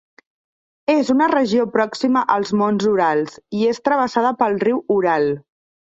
És una regió pròxima als monts Urals i és travessada pel riu Ural.